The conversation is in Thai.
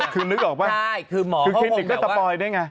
คือนึกออกไหมคือเคนติกก็สปอยด้วยไง